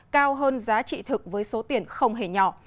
cao hơn giá trị thực với số tiền không hề nhỏ